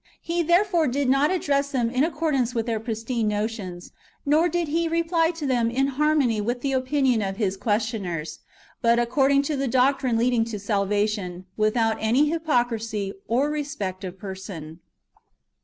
He therefore did not address them in accordance with their pristine notions, nor did He reply to them in harmony with the opinion of His questioners, but according to the doctrine leading to salvation, without hypocrisy or respect of person.